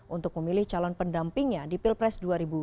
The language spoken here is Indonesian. untuk memilih calon pendampingnya di pilpres dua ribu dua puluh